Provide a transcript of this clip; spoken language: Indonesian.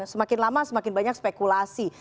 semakin lama semakin banyak spekulasi